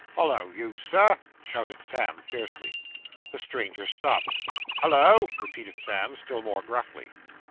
'Hollo, you Sir!' shouted Sam fiercely. The stranger stopped. 'Hollo!' repeated Sam, still more gruffly.